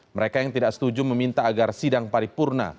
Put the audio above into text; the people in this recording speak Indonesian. mereka yang tidak setuju meminta agar sidang paripurna